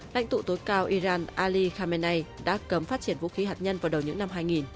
lãnh tụ tối cao iran ali khamenei đã cấm phát triển vũ khí hạt nhân vào đầu những năm hai nghìn